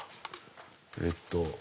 えっと。